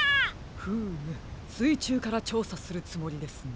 フームすいちゅうからちょうさするつもりですね。